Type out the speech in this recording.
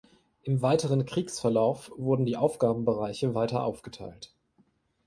Im weiteren Kriegsverlauf wurden die Aufgabenbereiche weiter aufgeteilt.